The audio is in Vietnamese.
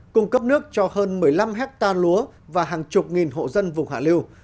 cung cấp nước cho hơn một mươi năm hectare lúa và hàng chục nghìn hộ dân vùng hạ liêu